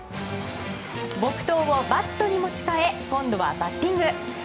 木刀をバットに持ち替え今度はバッティング。